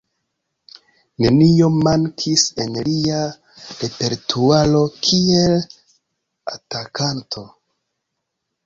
Nenio mankis en lia repertuaro kiel atakanto.